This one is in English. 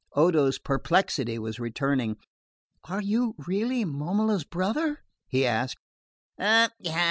Odo's perplexity was returning. "Are you really Momola's brother?" he asked.